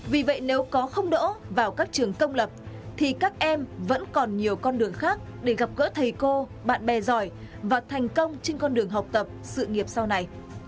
vì vậy nếu có không đỗ vào các trường công lập thì các em vẫn còn nhiều con đường khác để gặp gỡ thầy cô bạn bè giỏi và thành công trên con đường học tập sự nghiệp sau này